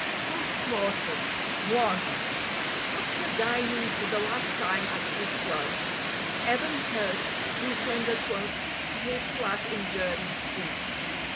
POST MORTEM I After dining for the last time at his club, Evan Hurst returned at once to his flat in Jermyn Street.